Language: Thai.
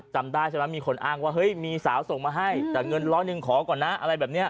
จำได้ใช่ไหมมีคนอ้างว่าเฮ้ยมีสาวส่งมาให้แต่เงินร้อยหนึ่งขอก่อนนะอะไรแบบนี้